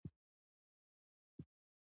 هغه کسان چې یوګا کوي عضلې آرامې ساتلی شي.